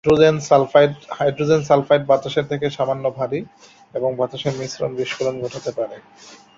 Hydrogen sulphide বাতাসের থেকে সামান্য ভারী; এবং বাতাসের মিশ্রণ বিস্ফোরণ ঘটাতে পারে।